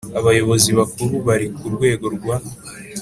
Abayobozi Bakuru bari ku rwego rwa